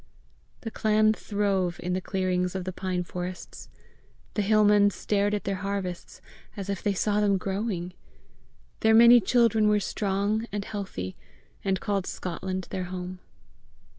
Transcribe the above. The clan throve in the clearings of the pine forests. The hill men stared at their harvests as if they saw them growing. Their many children were strong and healthy, and called Scotland their home.